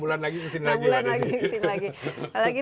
enam bulan lagi kesini lagi